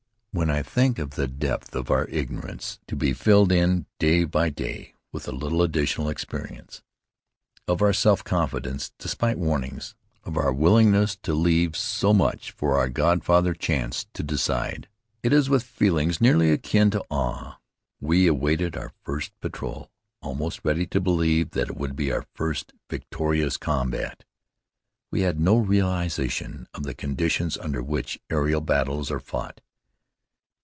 When I think of the depths of our ignorance, to be filled in, day by day, with a little additional experience; of our self confidence, despite warnings; of our willingness to leave so much for our "godfather" Chance to decide, it is with feelings nearly akin to awe. We awaited our first patrol almost ready to believe that it would be our first victorious combat. We had no realization of the conditions under which aerial battles are fought.